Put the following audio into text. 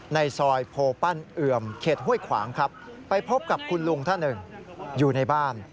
ในซอยโพปั้นเอือมเขตห้วยขวางครับไปพบกับคุณลุงท่านหนึ่งอยู่ในบ้าน